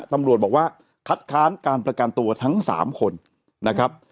ตำรวจบอกว่าคัดค้านการประกันตัวทั้ง๓คนนะครับ